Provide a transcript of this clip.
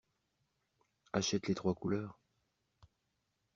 Achète les trois couleurs.